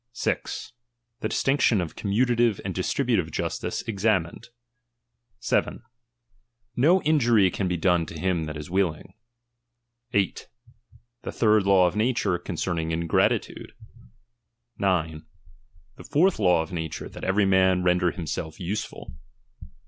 6. The dbtinction of commutative and distributive justice examined. 7. No injury can be done to him that is willing. 6 The third law of nature, concerning ingratitude. 9. The fourth law of nature, that every man Tender himself useful.